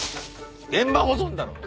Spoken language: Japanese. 現場保存だろ。